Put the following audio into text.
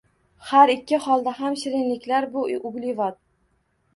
Har ikki holda ham shirinliklar bu uglevod.